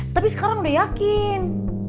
tapi sekarang udah yakin